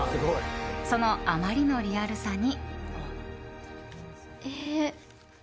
その、あまりのリアルさに。